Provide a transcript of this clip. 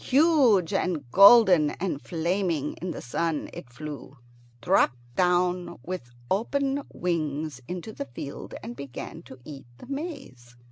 Huge and golden and flaming in the sun, it flew, dropped down with open wings into the field, and began to eat the maize.